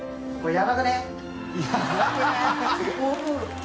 「やばくね？」